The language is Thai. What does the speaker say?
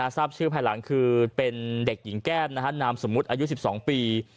ทราบชื่อภายหลังคือเป็นเด็กหญิงแก้มนามสมมุติอายุ๑๒ปี